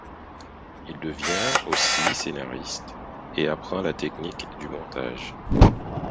Il devient aussi scénariste et apprend la technique du montage.